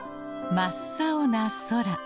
真っ青な空。